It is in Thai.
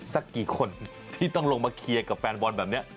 สักกี่คนที่ต้องลงมาเคลียร์กับแฟนบอลแบบนี้